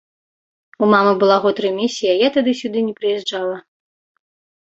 У мамы была год рэмісія, я тады сюды не прыязджала.